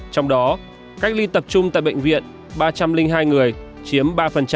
trong đó cách ly tập trung tại bệnh viện ba trăm linh hai người chiếm ba